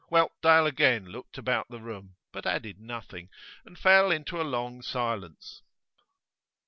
Whelpdale again looked about the room, but added nothing, and fell into a long silence.